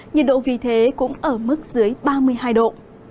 nhiệt độ vì thế cũng ở mức dưới ba mươi hai độ